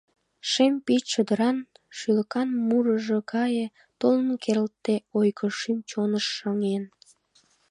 Шем пич чодыран шӱлыкан мурыж гае Толын керылте ойго шӱм-чоныш шыҥен.